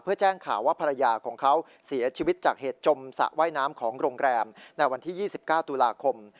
เพื่อแจ้งข่าวว่าภรรยาของเขาเสียชีวิตจากเหตุจมสระว่ายน้ำของโรงแรมในวันที่๒๙ตุลาคม